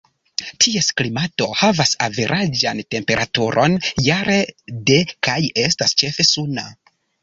Ties klimato havas averaĝan temperaturon jare de kaj estas ĉefe suna.